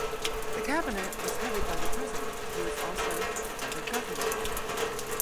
The Cabinet is headed by the President, who is also head of government.